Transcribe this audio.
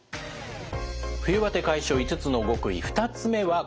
冬バテ解消５つの極意２つ目は「呼吸法」です。